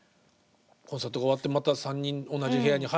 コンサートが終わってまた３人同じ部屋に入って。